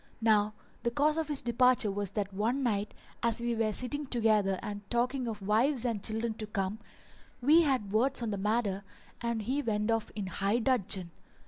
Now the cause of his departure was that one night, as we were sitting together and talking of wives and children to come, we had words on the matter and he went off in high dudgeon.